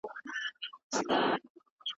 عمه مي نن راځي.